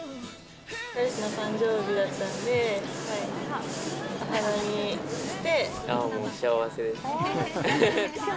彼氏の誕生日だったんで、もう幸せです。